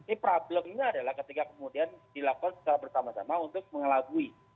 ini problemnya adalah ketika kemudian dilakukan secara bertama tama untuk mengelakui